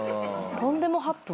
とんでもハップン？